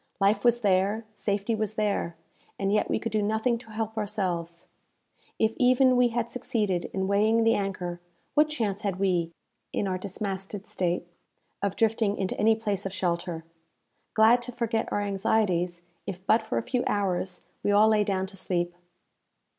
Life was there, safety was there, and yet we could do nothing to help ourselves! If even we had succeeded in weighing the anchor, what chance had we, in our dismasted state, of drifting into any place of shelter? Glad to forget our anxieties, if but for a few hours, we all lay down to sleep.